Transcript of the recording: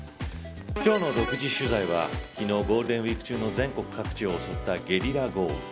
今日の独自取材は昨日ゴールデンウイーク中の全国各地を襲ったゲリラ豪雨。